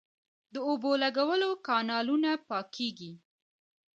د اوبو لګولو کانالونه پاکیږي